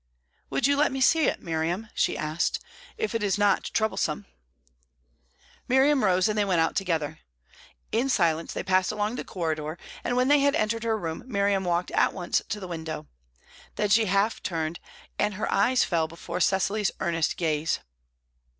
"Would you let me see it, Miriam?" she asked. "If it is not troublesome " Miriam rose, and they went out together. In silence they passed along the corridor, and when they had entered her room Miriam walked at once to the window. Then she half turned, and her eyes fell before Cecily's earnest gaze.